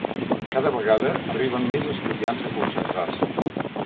Cada vegada arriben més estudiants a concentrar-se.